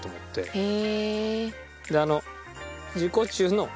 へえ。